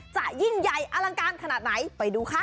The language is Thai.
จะยิ่งใหญ่อลังการขนาดไหนไปดูค่ะ